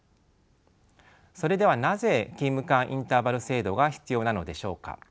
それではなぜ勤務間インターバル制度が必要なのでしょうか。